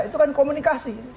itu kan komunikasi